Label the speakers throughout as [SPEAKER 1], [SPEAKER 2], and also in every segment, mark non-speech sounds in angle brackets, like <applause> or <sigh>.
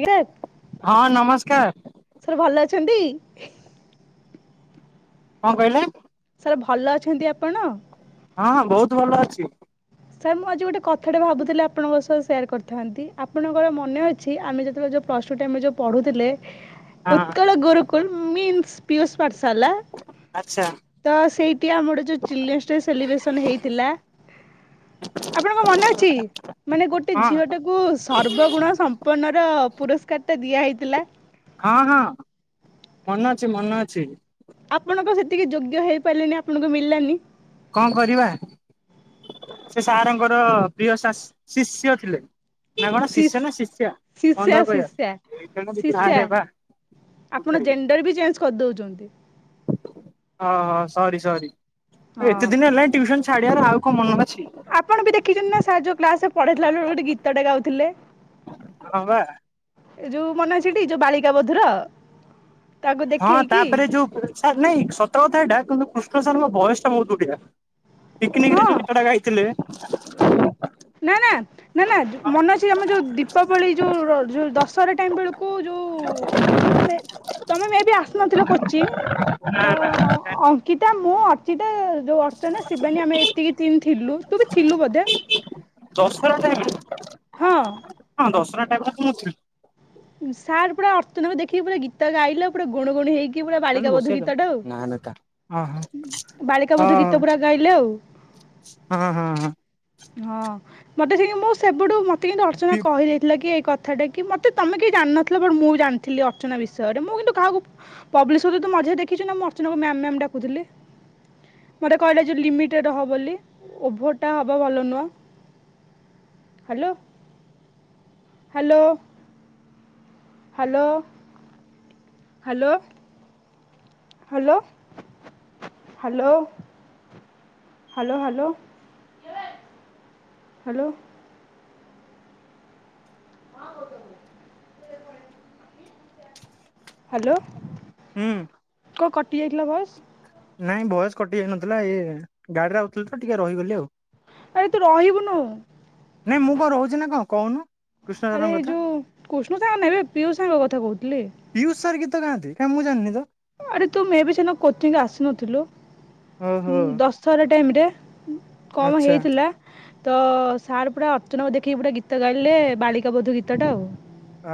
[SPEAKER 1] ଆଜ୍ଞା
[SPEAKER 2] ହଁ ନମସ୍କାର
[SPEAKER 1] ସାର୍ ଭଲ ଅଛନ୍ତି
[SPEAKER 2] କଣ କହିଲେ
[SPEAKER 1] ସାର୍ ଭଲ ଅଛନ୍ତି ଆପଣ
[SPEAKER 2] ହଁ ହଁ ବହୁତ ଭଲ ଅଛି
[SPEAKER 1] ସାର୍ ମୁଁ ଆଜି ଗୋଟେ କଥାଟେ ଭାବୁଥିଲି ଆପଣଙ୍କ ସହ ସେୟାର କରିଥାନ୍ତି ଆପଣଙ୍କର ମନେ ଅଛି ଆମେ ଯେତେବେଳେ ଯଉ ପ୍ଲସ୍ ଟୁ ଟାଇମ ରେ ଯୋଉଁ ପଢ଼ୁଥିଲେ
[SPEAKER 2] ହଁ
[SPEAKER 1] ଉତ୍କଳ ଗୁରୁକୁଲ ମିନ୍ସ ପିୟୁଷ ପାଠଶାଳା
[SPEAKER 2] ଆଚ୍ଛା
[SPEAKER 1] ତ ସେଇଠି ଆମର ଯେଉଁ ଚିଲଡ୍ରେନ୍ସ ଡେ ସେଲିବ୍ରେସନ୍ ହେଇଥିଲା ଆପଣଙ୍କ ମନେ ଅଛି ମାନେ ଗୋଟେ
[SPEAKER 2] ହଁ
[SPEAKER 1] ଝିଅଟାକୁ ସର୍ବଗୁଣ ସମ୍ପୂର୍ଣ ର ପୁରସ୍କାର ଟା ଦିଆ ହେଇଥିଲା
[SPEAKER 2] ହଁ ହଁ ମନ ଅଛି ମନ ଅଛି
[SPEAKER 1] ଆପଣଙ୍କ ସେତିକି ଯୋଗ୍ୟ ହେଇପାରିଲାନି ଆପଣଙ୍କୁ ମିଲାନି
[SPEAKER 2] କଣ କରିବା ସେ ସାରଙ୍କର ପ୍ରିୟ ଶିଷ୍ୟ ଥିଲେ ନା କଣ ଶିଷ୍ୟ ନା ଶିଷ୍ୟା
[SPEAKER 1] ଶିଷ
[SPEAKER 2] କଣ
[SPEAKER 1] ଶିଷ୍ୟା
[SPEAKER 2] ତାକୁ
[SPEAKER 1] ଶିଶ୍ୟା
[SPEAKER 2] କହିବା
[SPEAKER 1] ଶିଷ୍ୟା
[SPEAKER 2] ଆରେ ବା
[SPEAKER 1] ଆପଣ ଜେଣ୍ଡର ବି ଚେଞ୍ଜ କରିଦଉଛନ୍ତି
[SPEAKER 2] ହଁ ହଁ ସରୀ ସରୀ
[SPEAKER 1] ହଁ
[SPEAKER 2] ଏତେ ଦିନ ହେଲାଣି ଟ୍ୟୁସନ ଛାଡ଼ ଏହାର ଆଉ କଣ ମନ ହୁଏ
[SPEAKER 1] ଆପଣ ବି ଦେଖିଛନ୍ତି ନା ସାର୍ ଯୋଉ କ୍ଲାସ ରେ ପଢ଼େଇଥିଲା ବେଳକୁ ଗୋଟେ ଗୀତଟା ଗାଉଥିଲେ
[SPEAKER 2] ହଁ ମ୍ବା
[SPEAKER 1] ଏ ଯୋଉ ମନେ ଅଛିଠି ଯୋଉ ବାଳିକା ବଧୁର
[SPEAKER 2] ହଁ ତାପରେ ଯୋଉଛା ନାଇଁ ସତର କଥାଟା କିନ୍ତୁ କୁ ସାର୍ ମୋ ବୟସ ଟା ବହୁତ ବଢିଆ ପିଙ୍କିନିକି
[SPEAKER 1] ହଁ
[SPEAKER 2] ରେ ଯୋଉଁ ଗୀତ ଟା ଗାଇଥିଲଥିଲେ <unintelligible>
[SPEAKER 1] ନା ନା ନା ନା ମନେ ଅଛି ଆମର ଯୋଉ ଦୀପାବଳି ଯୋଉ ର ଯୋଉ ଦଶହରା ଟାଇମ ବେଳକୁ ଯୋଉ ତମେ ମେ ବି ଆସୁନଥିଲ କୋଚିଂ ତ ଅ ଗୀତା ମୁଁ ଅର୍ଚିତା ଯୋଉ ଅର୍ଚ୍ଚନା ଶିବାନୀ ଆମେ ଏତିକି ଥିଲୁ ତୁ ବି ଥିଲୁ ବୋଧେ
[SPEAKER 2] ଦଶହରା ଟାଇମ୍ ରେ
[SPEAKER 1] ହଁ।।
[SPEAKER 2] ଦଶହରା ଟାଇମ୍ ରେ ତୁ ଥିଲୁ
[SPEAKER 1] ସାର୍ ପୁରା ଅଚନା ଦେଖି ପୁରା ଗୀତ ଗାଇଲେ ପୁରା ଗୁଣ ଗୁଣ ହେଇକି କି ପୁରା
[SPEAKER 2] ଚାଲୁନୁ
[SPEAKER 1] ବାଳିକା ବୋଧୁ
[SPEAKER 2] ବସିବା ଚାଲ।
[SPEAKER 1] ଗୀତଟେ ଆଉ
[SPEAKER 2] ହଁ
[SPEAKER 1] ବାଳିକା
[SPEAKER 2] ହଁ
[SPEAKER 1] ବୋଧୁ ଗୀତ ପୁରା ଗାଇଲେ ଆଉ
[SPEAKER 2] ହଁ ହଁ।।
[SPEAKER 1] ହଁ ମତେ ସେ ମୁଁ ସେବୁଠୁ ମତେ କିନ୍ତୁ ଅଚନା କହିଲେ ଥିଲା କି ଇଏ କଥାଟି ମୋତେ ତୁମେ କେହି ଜାଣିନଥିଲ ବଟ ମୁଁ ଜାଣିଥିଲି ଅର୍ଚନା ବିଷୟରେ ମୁଁ କେମିତି କାହାକୁ ପବିଲିସି ବସହି ମଝିରେ ଦେଖୁଥିଲୁ ନାଁ ମୁଁ ଅର୍ଚନା କୁ ମ୍ୟାମ ଡାକୁଥିଲି ମୋତେ କହିଲା ଯୋଉଁ ଲିମିଟେଡ଼ ରହ ବୋଲି ଓଭର ଟା ହବା ଭଲ ନୁହଁ hello hello hello.. Hello.. Hello hello.. Hello hello hello.. <unintelligible> Hello..
[SPEAKER 2] ହୁଁ।।
[SPEAKER 1] କଣ କଟିଯାଇଥିଲା ଭୟସେ
[SPEAKER 2] ନାଇଁ ଭୟସ କଟି ଯାଇନଥିଲା ଏଇ ଗାଡିରେ ଆଉଥିଲ ତ ଟିକେ ରହିଗଲି ଆଉ
[SPEAKER 1] ଆରେ ତୁ ରହିବୁନୁ
[SPEAKER 2] ନାଇଁ ମୁଁ କଣ ରହୁଛିି ନା କଣ କହୁନୁ କୃଷ୍ଣ
[SPEAKER 1] ଆରେ
[SPEAKER 2] ସାରଙ୍କ କଥା
[SPEAKER 1] ଯେଉଁ କୃଷ୍ଣ ସାର ନାହିଁ ବେ ପିୟୁ ସାଙ୍ଗ କଥା କହୁଥିଲି।।
[SPEAKER 2] କାହାନ୍ତି କାଇଁ ମୁଁ ଜାଣିନି ତ।।
[SPEAKER 1] ଆରେ ତୁ ମେ ବି ସେ ଦିନ କୋଚିଂ ଆସିନଥିଲୁ
[SPEAKER 2] ଓହୋ
[SPEAKER 1] ଦଶ ଟାଇମିଂ ରେ କମ
[SPEAKER 2] ଆଚ୍ଛା
[SPEAKER 1] ହେଇଥିଲା ତ ସାର୍ ପୁରା ଅର୍ଚ୍ଚନାକୁ ଦେଖିକି ପୁରା ଗୀତ ଗାଇଲେ ବାଳିକା ବୋଧ ଗୀତଟା ଆଉ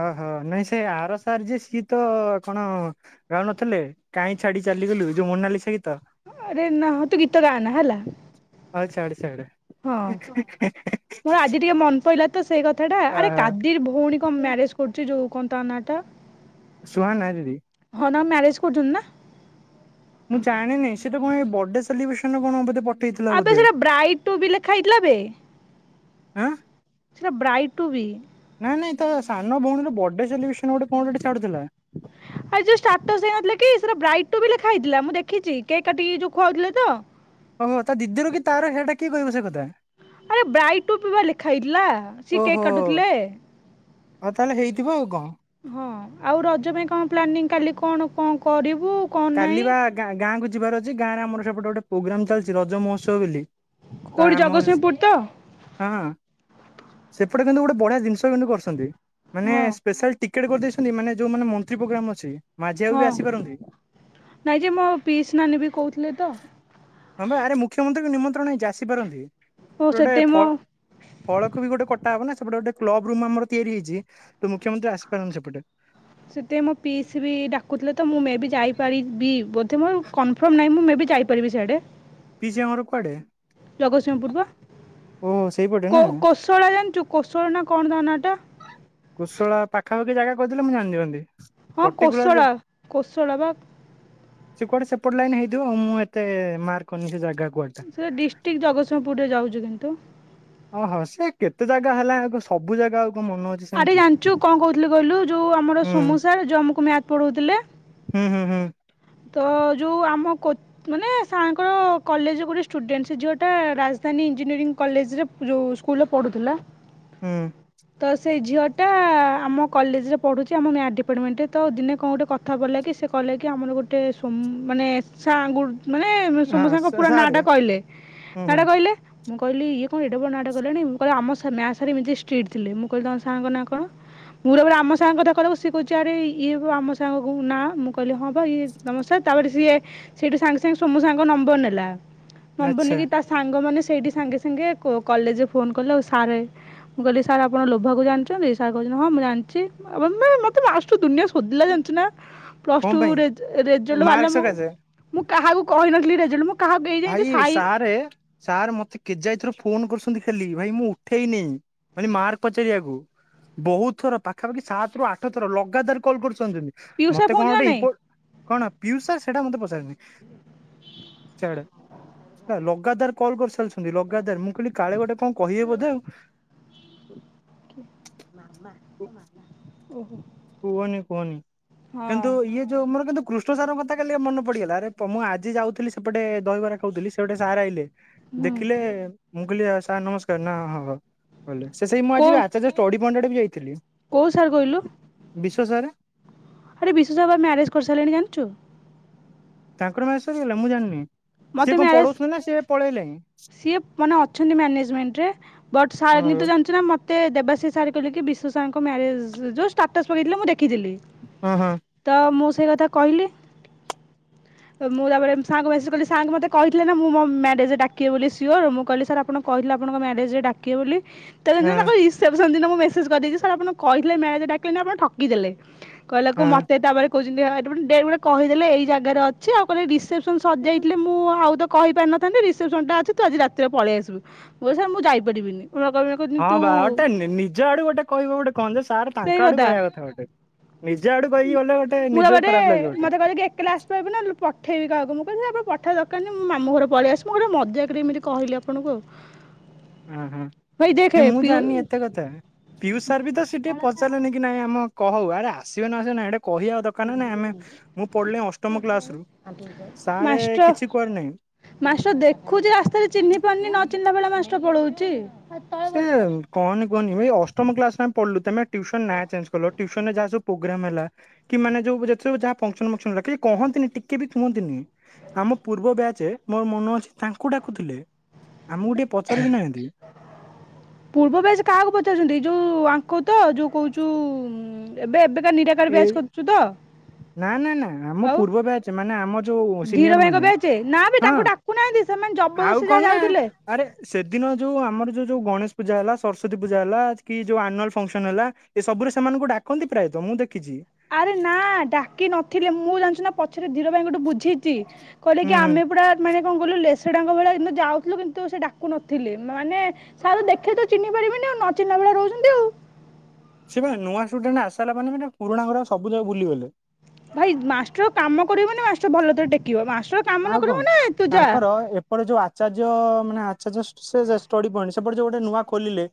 [SPEAKER 2] ଓହୋ ନାଇଁ ସେ ଆର ସାର ଯେ ସେତ କଣ ଗାଉନଥିଲେ କାଇଁ ଛାଡି ଚାଲିଗଲୁ ଯୋଉ ମୋନାଲିଶା ଗୀତ।।
[SPEAKER 1] ଆରେ ନାଁ ତୁ ଗୀତ ଗା ନା ହେଲା,
[SPEAKER 2] ହଉ ଛାଡେ ଛାଡେ
[SPEAKER 1] ହଁ ମୋର ଆଜି ଟିକେ ମନ ପଡିଲ ତ ସେ କଥ କଥାଟା ଆରେ
[SPEAKER 2] ଓହୋ
[SPEAKER 1] କାଦିର ଭଉଣୀ କଣ ମ୍ୟାରେଜ କରୁଛି ଯୋଉ କଣ ତ କର୍ଣ୍ଣାଟକ
[SPEAKER 2] ସୁହା ନା ଦିଦି
[SPEAKER 1] ଆ ମ୍ୟାରେଜ୍ କରୁଛନ୍ତି ନା,
[SPEAKER 2] ମୁଁ ଜାଣିନି ସେଟା କଣ ବଡେ ସେଲିବ୍ରେସନ କଣ ପଠେଇଥିଲା
[SPEAKER 1] ଆବେ
[SPEAKER 2] ବୋଧେ
[SPEAKER 1] ସେଟା ବ୍ରାଇଡଟୁ ବି ଲେଖାହେଇଥିଲା ବେ,
[SPEAKER 2] ଆଁ
[SPEAKER 1] ସେଇଟା ବ୍ରାଇଡ ଟୁ ବି
[SPEAKER 2] ନାଇଁ ନାଇଁ ତ ସାନ ଭଉଣୀର ବର୍ଡେଲିବ୍ରେସନ କଣ ଗୋଟେ ଛାଡୁଥିଲା,
[SPEAKER 1] ଆ ଯୋଉ ସ୍ଟାଟସ ଦେଇନଥିଲା କି ସେ ବ୍ରାଇ ଟୁବି ଲେଖାହେଇଥିଲା ମୁଁ ଦେଖିଛି କେକ କାଟିକି ଯୋଉ ଖୁଆଉଥିଲେ ତ,
[SPEAKER 2] ଓହୋ ତା ଦିଦି ର କି ତାର ସେଇଟା କିଏ କହିବ ସେ କଥା,
[SPEAKER 1] ଆରେ ବ୍ରାଇଡ ଟୁ ବା ଲେଖା ହେଇଥିଲା ସେ କେକ୍
[SPEAKER 2] ଓହୋ
[SPEAKER 1] କାଟୁଥିଲେ,
[SPEAKER 2] ଆଉ ତାହେଲେ ହେଇଥିବ ଆଉ କଣ।
[SPEAKER 1] ହଁ ଆଉ ରଜ ପାଇଁ କଣ ପ୍ଲାନିଂ କାଲି କଣ ଣ କରିିବ-
[SPEAKER 2] କାଲି ବା ଗାଁକୁ ଯ ଯିବାର ଅଛି ଗାଁରେ ଆମର ସେପଟେ ଗୋଟେ ପୋଗ୍ରାମ ଚାଲିଛି ରଜ ମହୋତ୍ସବ ବୋଲି ତ
[SPEAKER 1] କୋଉଠି
[SPEAKER 2] ଆମ ହଁ
[SPEAKER 1] ଜଗତସିଂହପୁର ତ,
[SPEAKER 2] ସେପଟେ କିନ୍ତୁ ଗୋଟେ ବଢିଆ ଜିନିଷ କିନ୍ତୁ କରିଛନ୍ତି ମାନେ
[SPEAKER 1] ହଁ
[SPEAKER 2] ସ୍ପେଶାଲ ଟିକେଟ୍ କରିଦେଇଛନ୍ତି ମାନେ ଯୋଉ ମାନ ମନ୍ତ୍ରୀ ପୋଗ୍ରାମ ଅଛି ମାଝି ବାବୁ
[SPEAKER 1] ହଁ।
[SPEAKER 2] ବି ଆସିପାରନ୍ତି,
[SPEAKER 1] ନାଇଁ ଯେ ମୋ ପିଇସ୍ ନାନୀ ବି କହୁଥିଲେ ତ,
[SPEAKER 2] ଆସି ପାରନ୍ତି
[SPEAKER 1] ଓ
[SPEAKER 2] ଗୋଟେ
[SPEAKER 1] ସେଥିପାଇଁ ମୋ
[SPEAKER 2] ଫ ଫଳକୁ ବି ଗୋଟେ କଟା ହବ ନା ସେପଟେ ଗୋଟେ କ୍ଲବ ରୁ ଆମର ତିଆରି ହେଇଛି ତ ମୁଖ୍ୟମନ୍ତ୍ରୀ ଆସିପାରନ୍ତି ସେପଟେ,
[SPEAKER 1] ସେଥିପାଇଁ ମୋ ପିଇସୀ ବି ଡାକୁଥିଲେ ତ ମୁଁ ମେ ବି ଯାଇପାରି ବି <unintelligible> କନଫର୍ମ ନାଇଁ ମୁଁ ମେ ବି ଯାଇପାରିବି ସିଆଡେ,
[SPEAKER 2] ପିଇସି ଆମର କୁଆଡେ?
[SPEAKER 1] ଜଗତସିଂହପୁର ବା
[SPEAKER 2] ଓହୋ ସେଇପଟେ ନା
[SPEAKER 1] କ କୋଶଳା ଜାଣିଛୁ କୋଶଳା ନା କଣ ତା ନା ଟା
[SPEAKER 2] କୁଶଳା ପାଖାପାଖି ଜାଗା କହିଥିଲେ ମୁଁ ଜାଣିନିଅନ୍ତି,
[SPEAKER 1] ହଁ କୋଶଳା କୋଶଳା ବା
[SPEAKER 2] ସେ କୁଆଡେ ସେପଟ ଲାଇନ ମୁଁ ଏତେ ମାର୍କ କରିନି ସେ ଯାଗା
[SPEAKER 1] ସେ ଡିଷ୍ଟ୍ରିକ୍ଟ ଜଗତସିଂହପୁରରେ ଯାଉଛନ୍ତି। କିନ୍ତୁ
[SPEAKER 2] ଓହୋ ସେ କେତେ ଜାଗା ହେଲା ଆ ସବୁ ଜାଗା ଆ
[SPEAKER 1] ଆରେ ଜାଣିଛୁ କଣ କହୁଥିଲୁ କହିଲୁ ଯୋଉ ଆମର
[SPEAKER 2] ହୁଁ
[SPEAKER 1] ସୋମୁ ସାର ଯୋଉ ଆମକୁ ମ୍ୟାଥ ପଢଉଥିଲେ
[SPEAKER 2] ହୁଁ ହୁଁ ହୁଁ
[SPEAKER 1] ତ ଯୋଉ ଆମ ମାନେ ସାର୍ ଙ୍କର କଲେଜ ଗୋଟେ ଷ୍ଟୁଡେଣ୍ଟ ସେ ଝିଅଟା ରାଜଧାନୀ ଇଞ୍ଜିନିୟରିଂ କଲେଜରେ ଯୋଉ ସ୍କୁଲରେ ପଢୁଥିଲା।
[SPEAKER 2] ହୁଁ
[SPEAKER 1] ସେ ଝିଅଟା ଆମ କଲେଜରେ ପଢ଼ୁଛି ଆମ ମ୍ୟାଥ୍ ଡିପାର୍ଟମେଣ୍ଟରେ ତ ଦିନେ କଣ ଗୋଟେ କଥା ପଡ଼ିଲା କି ସେ କହିଲା କି ଆମର ଗୋଟେ ସୋମୁ ମାନେ ସାର୍ ଙ୍କୁ ମାନେ ସୋମୁ
[SPEAKER 2] ହଁ
[SPEAKER 1] ସାର୍ ଙ୍କ
[SPEAKER 2] ସା-
[SPEAKER 1] ପୁରା ନାଁ ଟା କହିଲେ
[SPEAKER 2] ହୁଁ ହୁଁ
[SPEAKER 1] ନାଁଟା କହିଲେ ମୁଁ କହିଲି ଇଏ କଣ ଏଡେ ବଡ ନାଁଟା କହିଲେଣି ମୁଁ କହିଲି ଆମ ମ୍ୟାଥ ସାର ଏମିତି ଷ୍ଟ୍ରିଟ୍ ଥିଲେ ମୁଁ କହିଲି ତମ ସାରଙ୍କ ନା କଣ ମୁଁ ପୁରା ଆମ ସାରଙ୍କ କଥା କହିଲା ବେଳକୁ ସିଏ କହୁଛି ଆରେ ଇଏ ଆମ ସାରଙ୍କ ନାଁ ମୁଁ କହିଲି ହଁ ବା ଇଏ ନମସ୍କାର ତାପରେ ସିଏ ସେଇଠୁ ସାଙ୍ଗେ ସାଙ୍ଗେ ସୋମୁ ସାର୍ ଙ୍କ ନମ୍ବର ନେଲା। ନମ୍ବର
[SPEAKER 2] ଆଚ୍ଛା।
[SPEAKER 1] ନେଇକିି ତା ସାଙ୍ଗ ମାନେ ସେଇଠି ସାଙ୍ଗେ ସାଙ୍ଗେ କଲେଜରେ ଫୋନ କଲେ ଆଉ ସାର୍ ମୁଁ କହିଲି ସାର୍ ଆପଣ ଲୋଭାକୁ ଜାଣିଛନ୍ତି ସାର କହୁଛନ୍ତି ହଁ ମୁଁ ଜାଣିଛି ମତେ ଲାଷ୍ଟ କୁ ଦୁନିଆ ସୋଧିଲା ଜାଣିଛୁ ନା ପ୍ଲସ୍
[SPEAKER 2] କଣ ପାଇଁ
[SPEAKER 1] ଟୁରେ ରେଜଲ୍ଟ ବାହାରିଲା
[SPEAKER 2] ମାର୍କ
[SPEAKER 1] ମୁଁ
[SPEAKER 2] ସକାଶେ
[SPEAKER 1] ମୁଁ କାହାକୁ କହିନଥିଲି ରେଜଲ୍ଟ ମୁଁ କାହାକୁ ଏଇ ଯାଏଁ ବି
[SPEAKER 2] ଭାଇ
[SPEAKER 1] ସାଇ
[SPEAKER 2] ସାର୍ ସାର୍ ମତେ କେଯାଇ ଥର ଫୋନ କରୁଛ ନ୍ତି ଖାଲି ଭାଇ ମୁଁ ଉଠେଇନି ମାନେ ମାର୍କ ପଚାରିଆକୁ ବହୁତ ଥର ପାଖାପାଖି ସାତ ରୁ ଆଠ ଥର ଲଗାତାର କଲ୍ କରୁ ଛନ୍ତି
[SPEAKER 1] ପିୟୁଷ ସାର୍
[SPEAKER 2] ମତେ କଣ ଗୋଟେ
[SPEAKER 1] ପହଞ୍ଚିଲା ନା
[SPEAKER 2] କଣ
[SPEAKER 1] ନାଇଁ
[SPEAKER 2] ଇମ୍ପୋ କଣ ୟୁ ସେ ମତେ ସେଇଟା ପସନ୍ଦ ନୁହଁ <unintelligible>
[SPEAKER 1] ହଁ
[SPEAKER 2] ଆଡେ ହେ ଲଗାତାର କଲ୍ କରିସାରଛ ଲଗାତାର ମୁଁ କହିଲି କାଳେ ଗୋଟେ କଣ କହିବେ ବୋଧେ ଆଉ। <unintelligible>
[SPEAKER 1] ମା ତମା
[SPEAKER 2] କୁହନି କୁହନି କିନ୍ତୁ ଇଏ ଯୋଉ ଆମର କିନ୍ତୁ କୃଷ୍ଣ ସାର୍ ଙ୍କ କଥା କାଲି ମନ ପଡ଼ିଗଲା ଆରେ ମୁଁ ଆଜି ଯାଉଥିଲି ସେପଟେ ଦହିବରା ଖାଉଥିଲି ସେପଟେ ସାର୍ ଆଇଲେ ଦେଖିଲେ
[SPEAKER 1] ହୁଁ
[SPEAKER 2] ମୁଁ କହିଲି ସାର୍ ନମସ୍କାର। ନା ହଁ। କହିଲେ ସେଇ ମୁଁ
[SPEAKER 1] କୋଉ
[SPEAKER 2] ଆଚାର୍ଯ୍ୟ ଷ୍ଟଡି ପଏଣ୍ଟ ଆଡ଼େ ଯାଇଥିଲି।
[SPEAKER 1] କୋଉ ସାର୍ କହିଲୁ?
[SPEAKER 2] ବିଶ୍ୱ ସାର୍।
[SPEAKER 1] ଆରେ ବିଶ୍ୱ ସାର୍ ବା ମ୍ୟାରେଜ କରିସାରିଲେଣି ଜାଣିଚୁ?
[SPEAKER 2] ତାଙ୍କର ମ୍ୟାରେଜ୍ ସରିଗଲାଣି ମୁଁ ଜାଣିନି। ସିଏ
[SPEAKER 1] ମତେ
[SPEAKER 2] କଣ
[SPEAKER 1] ମ୍ୟାରେଜ
[SPEAKER 2] ପଢଉଛନ୍ତି ନା ସିଏ ପଳେଇଲେଣି
[SPEAKER 1] ସିଏ ମାନେ ଅଛନ୍ତି ମ୍ୟାନେଜମେଣ୍ଟରେ ବଟ୍ ସାର
[SPEAKER 2] ହଁ
[SPEAKER 1] ବି ତ ଜାଣିଛନ୍ତି ନା ତ ଦେବାଶି ସାର୍ କହିଲି କି ବିଶୁ ସାରଙ୍କ ମ୍ୟାରେଜ ଯୋଉ ଷ୍ଟାଟସ୍ ପକେଇଥିଲେ ମୁଁ ଦେଖିଥିଲି। ମୁଁ ଦେଖିଥିଲି
[SPEAKER 2] ହଁ ହଁ
[SPEAKER 1] ତ ମୁଁ। ସେ କଥା କହିଲି ମୁଁ ତାପରେ ସାରଙ୍କୁ ମେସେଜ କଲି। ସାରଙ୍କୁ ମୋତେ କହିଥିଲେ ନା ମୁଁ ମୋ ମ୍ୟାରେଜ ଡାକିବେ ବୋଲି ସିଓର ମୁଁ କହିଲି ସାର୍ ଆଣ କହିଥିଲେ ଆପଣଙ୍କ ମ୍ୟାରେଜରେ ଡାକିବେ ବୋଲି। ତାହେଲେ
[SPEAKER 2] ହଁ
[SPEAKER 1] ତାଙ୍କ ଇଚ୍ଛା। ମୁଁ ମେସେଜ କରିଦେଇଛି ସାର୍ ଆପଣ କହିଥିଲେ ମ୍ୟାରେଜ ଡାକିଲେନି ଆପଣ ଠକି ଦେଲେ। କହିଲାକୁ
[SPEAKER 2] ହଁ।
[SPEAKER 1] ମତେ ତାପରେ। କହୁଛନ୍ତି ଡେଟ ଗୋଟେ କହିଦେଲେ ଏଇ ଜାଗାରେ ଅଛି ଆଉ କହିଦେଲେ ରିସେପ ସଜେ ମୁଁ ଆଉ ତ କହିପାରିନଥାନ୍ତି ରିସେପସନ ଟା ଅଛି ତୁ ଆଜି ରାତିରେ ପଳେଇ ଆସିବୁ ମୁଁ କହିଲି ସାର୍ ମୁଁ ଯାଇପାରିବିନି।
[SPEAKER 2] ହଁ
[SPEAKER 1] ତୁ
[SPEAKER 2] ବାଟେ ନିଜ ଆଡୁ ଗୋଟେ କହିବ ଗୋଟେ କହନ୍ତି ସାର୍। ତାଙ୍କ ଆଡୁ କହିବା କଥା ଗୋଟେ। <inaudible> ଆଡୁ କହିକି ଗଲେ ଗୋଟେ
[SPEAKER 1] ମୁଁ
[SPEAKER 2] ନିଜକୁ
[SPEAKER 1] ତାପରେ
[SPEAKER 2] ଖରାପ ଲାଗିବ ଗୋଟେ
[SPEAKER 1] ମତେ କହିଲେ କି ଏକଲା ଆସ ପାରିବୁ ନା ପଠେଇବି କହାକୁ ମୁଁ। କିଲି ଆପଣ ପଠା ଦରକାର ନାହିଁ ମାମଁ ଘରେ ପଳେଇ ଆସ ମୋ ଘରେ ମଜାକରେ ଏମିତି କହିଲି ଆପଣଙ୍କୁ ଆଉ।
[SPEAKER 2] ହ
[SPEAKER 1] ଭାଇ ଦେଖେ
[SPEAKER 2] ହଁ ମୁଁ
[SPEAKER 1] ପିଉ
[SPEAKER 2] ଜାଣିନି ଏତେ କଥା ପିୟୁଷ ସାର୍ ବି ତ ସେଠିକେ ପଚାରିଲନି କି ନାଇଁ ଆମ କହଉ ଆରା। ଆସିବ ନା ଆସିବା ନାହିଁ ଏଟା। ଅଷ୍ଟମ କ୍ଲାସ ରୁ ସାରେ
[SPEAKER 1] ମାଷ୍ଟର
[SPEAKER 2] କିଛି କୁଆଡେ ନାହିଁ
[SPEAKER 1] ମାଷ୍ଟର ଦେଖୁଛି ରାସ୍ତାରେ ଚିହ୍ନି ପାରୁନି ନ ଚିହ୍ନିଲା ଭଳିଆ ମାଷ୍ଟର ପଳଉଛି। ପଳଉଛି
[SPEAKER 2] ସେ କହନି କହନି ଏ ଅଷ୍ଟମ କ୍ଲାସ ନା ଆମେ। ପଢିଲୁ ତମେ। ଟିଉସନ୍ ନାଁ ଚେ୍ଜଲ ଟିସନ ଯା ସବୁ। ପ୍ରୋଗ୍ରାମ ହେଲା କି ମାନେ ଯେ ଯାହା ଫଙ୍କସନ ମଙ୍କସନ ହେଲା। କହନ୍ତିନି ଟିକେ ବି କୁହନ୍ତି ନିଁ ଆମ ପୂର୍ବ ବ୍ୟାଚ ମୋର ମନେ ଅଛି। ତାଙ୍କୁ ଡାକୁଥିଲେ ଆମକୁ ଟିକେ ପଚାରି ବି ନାହାନ୍ତି।
[SPEAKER 1] ପୂର୍ବ ବ୍ୟାଚ କାହାକୁ ପଚାରୁଛନ୍ତି ଯୋଉ। ଆଙ୍କ ତ ଯୋଉ କୁହୁଛୁ ଏବେ ଏବେ।
[SPEAKER 2] ଏ ନା ନା ନା ଆମ
[SPEAKER 1] ଆଉ
[SPEAKER 2] ପୂର୍ବ ବ୍ୟାଚ ମାନେ ଆମ ଯୋଉ
[SPEAKER 1] ଧୀର
[SPEAKER 2] ସିନିୟର
[SPEAKER 1] ଭାଇଙ୍କ
[SPEAKER 2] ମାନେ
[SPEAKER 1] ବ୍ୟାଚ୍ ନା ବେ
[SPEAKER 2] ହଁ
[SPEAKER 1] ତାଙ୍କୁ ଡାକୁନାହାନ୍ତି ସେମାନେ
[SPEAKER 2] ଆଉ
[SPEAKER 1] ଜବରଦସ୍ତି
[SPEAKER 2] କଣ
[SPEAKER 1] ଯାହା
[SPEAKER 2] ନା
[SPEAKER 1] ଯାଉଥିଲେ।
[SPEAKER 2] ଆରେ ସେଦିନ ଯୋଉ ଆମର। ଯୋଉ ଯୋଉ ଗଣେଶ ପୂଜା ହେଲା ସରସ୍ଵତ ପୂଜା ହେଲା କି ଯୋଉ ଆନୁଆଲ ଫଙ୍କସନ ହେଲା ଏ ସବୁ ସେମାନଙ୍କୁ ଡାକନ୍ତି ପ୍ରାୟତଃ ମୁଁ ଦେଖିଛି।
[SPEAKER 1] ଆରେ ନା ଡାକି ନଥି ଥିଲେ ମୁଁ ଜାଣିଛି ନା ପଛରେ ଧୀର ଭାଇଙ୍କ ଠୁ ବୁଝିଛି। କହିଲେ
[SPEAKER 2] ହୁଁ
[SPEAKER 1] କି
[SPEAKER 2] ହୁଁ
[SPEAKER 1] ଆମେ ପୁରା ମାନେ। କଣ କହିଲୁ ଲେସଡାଙ୍କ ଭଳିଆ କି ଯାଉଥିଲୁ କିନ୍ତୁ ସେ ଡାକୁ ନଥିଲେ। ମାନେ ସାର୍ ଦେଖିଲେ ତ ଚିହ୍ନି ପାରିବେନି ଆଉ ନଚିନିଲା ଭଳିଆ ରହୁଛନ୍ତି ଆଉ।
[SPEAKER 2] ସେ ପା ନୂଆ ସ୍ଟୁଡେଣ୍ଟ ଆସିଲା ପରେ ମାନେ ପୁରୁଣା ଘ ସବୁ ଯାଗା ବୁଲିଗଲେ।
[SPEAKER 1] ଭାଇ ମାଷ୍ଟର କାମ କରିବନି। ମା ଭଲ ରେ ଟେକିବ। ମା
[SPEAKER 2] ଆଉ କଣ ତାଙ୍କର ଏପଟେ ଯୋଉ ଆଚାର୍ଯ୍ୟ ମାନେ ସେ ଜଷ୍ଟ ସେ ଜଷ୍ଟ ଷ୍ଟଡି ପଏଣ୍ଟ ସେପଟେ ଯୋଉ ଗୋଟେ ନୂଆ ଖୋଲିଲେ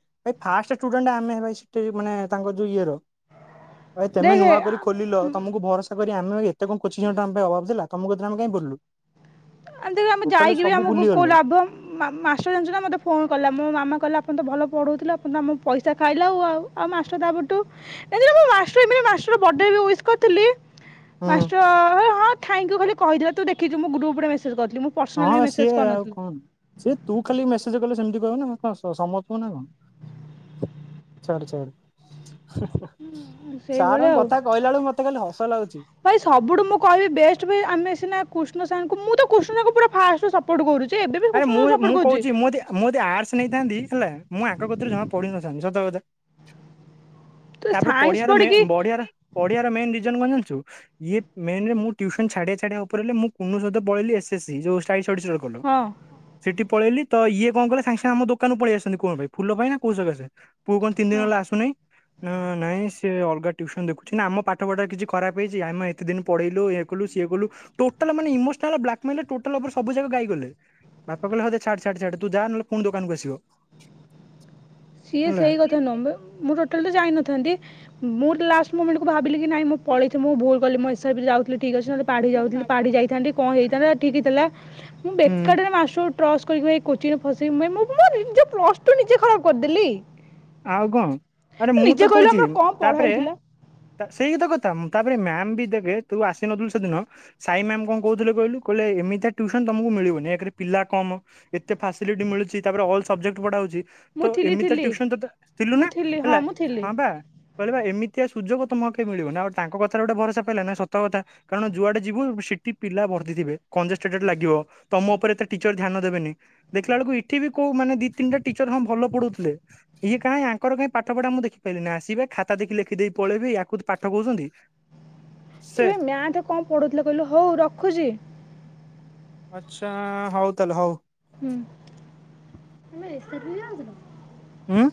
[SPEAKER 2] ଫାଷ୍ଟ ଷ୍ଟୁଡେଣ୍ଟ ଆମେ ଭ ସେଠ ମାନେ ତାଙ୍କ ଯୋଉ ଇଏର। ଭାଇ ତମେ
[SPEAKER 1] ଦେଖେ
[SPEAKER 2] ନୂଆ କରି ଖୋଲିଲ। ତମକୁ ଭରସା କରି ଆମ ଣ କିଛି ଜଟ ଆମ ପାଇଁ ଅଭାବ ଥିଲା। ତମକୁ କଥାରେ ଆମେ କାଇଁ ପଡିଲୁ।
[SPEAKER 1] ଆ ଆମେ
[SPEAKER 2] ଟୋଟାଲି
[SPEAKER 1] ଯାଇକି ବି
[SPEAKER 2] ସବୁ
[SPEAKER 1] ଆମକୁ କୋଉ
[SPEAKER 2] ଭୁଲିଗଲେ
[SPEAKER 1] ଲାଭ। ମାଷ୍ଟର ଜାଣିଛୁ ନା ମତେ ଫୋନ କଲା। ମୋ ମାମା କହିଲା ଆପଣ ତ ଭଲ ପଢୋଉଥିଲା ପଇସା ଖାଇଲାଉ। ଆଉ ମାଷ୍ଟର ତା ପରଠୁ ଏକରେ ମୁଁ ମାଷ୍ଟର ପାଇଁ ମାଷ୍ଟର ବଡେ ରେ ଉଇସି କରିଥିଲି।
[SPEAKER 2] ହୁଁ
[SPEAKER 1] ମାଷ୍ଟର ଅ ଅ ଥାଇଙ୍କୁ ଖାଲି କହିିଦେଥିଲା ତୁ ଦେଖଛୁ ମୁଁ ଗ୍ରୁପରେ ମେସେଜ୍
[SPEAKER 2] ହଁ ସିଏ ଆଉ କଣ ସିଏ ତୁ ଖାଲି ମେସେଜ କ ସେମିତି କହିବ ନା କଣ ସମସ୍ତଙ୍କୁ ନା କଣ ଛାଡେ ଛାଡେ।
[SPEAKER 1] ସେଇ ଭଳିଆ
[SPEAKER 2] ସାରଙ୍କ
[SPEAKER 1] ଆଉ।
[SPEAKER 2] କଥା କହିଲା ବେଳକୁ ମତେ ଖାଲି ହସ ଲାଗୁଛି
[SPEAKER 1] ଭାଇ ସବୁଠୁ ମୁଁ କହିବି ବେଷ୍ଟ ଭାଇ ଆମେ ସିନା କୃଷ୍ଣ ସାଙ୍କୁ ମୁଁ ତ କୃଷ୍ଣ ପୁରା ଫାଷ୍ଟ ସ
[SPEAKER 2] ଆରେ ମୁଁ ମୁଁ କହୁଛି ମୁଁ ଯଦି ମୁଁ ଆର୍ଟସ୍ ନେଇଥାନ୍ତି। ହେଲା ମୁଁ ଆ କହୁଥିଲି ଜମା ପଢିନଥାନ୍ତି ସତ କଥା।
[SPEAKER 1] ତୁ
[SPEAKER 2] ତାପରେ
[SPEAKER 1] ସାଇନ୍ସ
[SPEAKER 2] ପଡିଆରେ ମେନ
[SPEAKER 1] ପଢ଼ିକି
[SPEAKER 2] ବଡିଆ ର ମେନ ରିଜନ କଣ ଜାଣିଚୁ। ମେନ୍ ରେ ମୁଁ ଟିଉସନ ଛାଡିବା ଛାଡିବା ଉପରେ ହେଲି। ମୁଁ କୁଣୁବଦ ପଳେଇଲି ଏସ ଏସ୍ ସି। ରୋଲ।
[SPEAKER 1] ହଁ।
[SPEAKER 2] ସେଠି ପଳେଇଲି ତ ଇଏ କଣ କଲେ ସାଙ୍ଗେ ସାଙ୍ଗେ ଆମ ଦୋକାନ ପଳେଇ ଆସିଛନ୍ତି କଣ ପାଇଁ ଫୁଲ ପାଇଁ ନା କୋଉ ସକାଶେ। ପୁଅ କଣ ତିନିି ଦିନ ହେଲା ଆସୁନି। ନା ନାଇଁ ସିଏ ଅଲଗା ଟିଉସନ ଦେଖୁଛି। ନା ଆମ ପାଠପଢାରେ କିଛି ଖରାପ ହେଇଛି। ଆମ ଏତେ ଦିନ ପଢେଇଲୁ ଇଏ କଲୁ ସିଏ କଲୁ ଟୋଟାଲ ମାନେ ଇମୋସନାଲ ବ୍ଲାକମେଲ୍ ଟୋଟାଲ ସବୁ ଜାଗ ଗାଇଗଲେ। ବାପା କହିଲେ ହଦେ ଛାଡ ଛାଡ ଛାଡ ତୁ ଯା ନହେଲେ ପୁଣି ଦୋକାନକୁ ଆସିବ।
[SPEAKER 1] ସିଏ
[SPEAKER 2] ହେଲା
[SPEAKER 1] ସେଇ କଥା ନମ୍ବେ ମୁଁ ଟୋଟା ଟୋଟାଲେ ତ ଯାଇନଥାନ୍ତି। ମୁଁ ଲାଷ୍ଟ ମୁମେଣ୍ଟ୍ କୁ ବାହା କି ନାଇଁ ମୁଁ ପଳେଇଛି ମୁଁ ଭୁଲ କଲି ମଇଶା ବି ଯାଉଥିଲି। ଠିକ୍ ଅଛି ନହେଲେ ପାଢି ଯାଉଥିଲି ପାଢି ଯାଇଥାନ୍ତି କଣ ହେଇଥାନ୍ତା ଠିକ୍ ଥିଲା। ମୁଁ
[SPEAKER 2] ହୁଁ
[SPEAKER 1] ବେକାର ଟାରେ ମାଷ୍ଟରକୁ ଉଠ ଟ୍ରସ୍ କରିକି ବା କୋଚିରେ ନି ନିଜେ ଖରାପ କରିଦେଲି।
[SPEAKER 2] ଆଉ କଣ ଆରେ
[SPEAKER 1] ତୁ
[SPEAKER 2] ମୁଁ
[SPEAKER 1] ନିଜେ
[SPEAKER 2] ତ
[SPEAKER 1] କହିଲୁ
[SPEAKER 2] କହୁଛି
[SPEAKER 1] ଆମର କ'ଣ ପଢ଼ା
[SPEAKER 2] ତାପରେ
[SPEAKER 1] ହେଇଥିଲା
[SPEAKER 2] ସେଇ ତ କଥା ତାପରେ ମ୍ୟାାମ ବି ଦେଖେ ତୁ ଆସିନଥିଲୁ ସେଦିନ ସାଇ ମ୍ୟାମ କଣ କହୁଥିଲେ କହିଲୁ କହିଲେ ଏମିତିଆ ଟ୍ୟୁସନ ତମକୁ ମିଳିବନି ଏକରେ ପିଲା କମ ଏତେ ଫାସିଲିଟି ମିଳୁଛି ତାପରେ ଅଲ୍ ସବଜେକ୍ଟ ପଢାହଉଛି।
[SPEAKER 1] ମୁଁ
[SPEAKER 2] ତ
[SPEAKER 1] ଥିଲି
[SPEAKER 2] ଏମିତି
[SPEAKER 1] ଥିଲି
[SPEAKER 2] ଟଟିୁସନ ତ ଥିଲୁ
[SPEAKER 1] ମୁଁ
[SPEAKER 2] ନା
[SPEAKER 1] ଥିଲି ହଁ
[SPEAKER 2] ହେଲା
[SPEAKER 1] ମୁଁ ଥିଲି
[SPEAKER 2] ହଁ ବା କହିବା ଏମିତି ସୁଯୋଗ ତମକୁ କେ ମିଳିବ ନା ଆଉ ତାଙ୍କ କଥାରେ ଗୋଟେ ଭରସା ପାଇଲା ନା ସତ କଥା କାରଣ ଯୁଆଡେ ଯିବୁ ସେଠି ପିଲା ଭର୍ତିଥିବେ କଂଜେ ଲାଗିବ ତମ ଉପରେ ଏତେ ଟିଚର ଧ୍ୟାନ ଦେବେନି ଦେଖିଲ ବେଳକୁ ଏଠି ବି କୋଉ ମାନେ ଦି ତିନିଟା ଟିଚର ହଁ ଭଲ ପଢୁଥିଲେ। ଇଏ କାହିଁ ଆଙ୍କର କାହିଁ ପାଠ ପଢା ମୁଁ ଦେଖିପାରିଲିନି ଆସିବେ ଖାତା ଦେଖି ଲେଖିଦେଇ ପଳେଇବି ୟାକୁ ପାଠ କହୁଛନ୍ତି। ସେ
[SPEAKER 1] ଏବେ ମ୍ୟାଥ କଣ ପଢୁଥିଲେ କହିଲୁ ହଉ ର ଖୁଜି।
[SPEAKER 2] ଆଛା ହଉ ତାହେଲେ ହଉ।
[SPEAKER 1] ସେ ଆଜନ
[SPEAKER 2] ହମ୍ଁ।